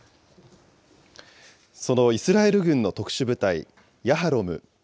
そのイスラエル軍の特殊部隊ヤハロム。